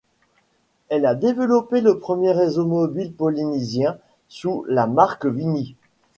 Elle a développé le premier réseau mobile polynésien sous la marque Vini.